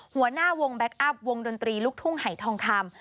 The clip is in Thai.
หัวหน้าวงแก๊คอัพวงดนตรีลูกทุ่งหายทองคำ